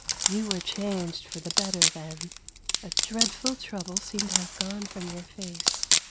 You were changed for the better then ; a dreadful trouble seemed to have gone from your face.